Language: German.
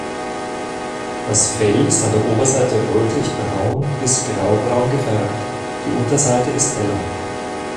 Das Fell ist an der Oberseite rötlichbraun bis graubraun gefärbt, die Unterseite ist heller.